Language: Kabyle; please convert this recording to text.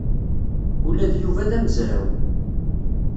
Ula d Yuba d amezraw.